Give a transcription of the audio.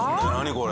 これ。